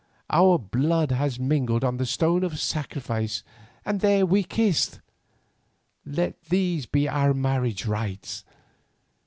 Our blood has mingled on the stone of sacrifice and there we kissed; let these be our marriage rites.